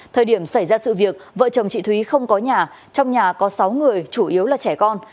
thời điểm xảy ra sự việc vợ chồng chị thúy không có nhà trong nhà có sáu người chủ yếu là trẻ con